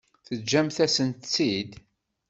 Teǧǧamt-asen-tt-id?